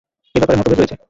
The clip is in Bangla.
এ ব্যাপারে মতভেদ রয়েছে।